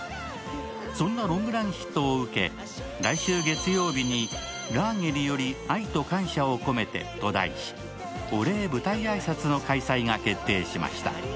そんなロングランヒットを受け、来週月曜日に「ラーゲリより愛と感謝を込めて」と題してお礼舞台挨拶が決定しました。